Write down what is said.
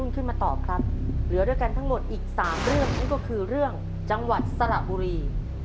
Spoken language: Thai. ก็คือเรื่องจังหวัดสระบุรี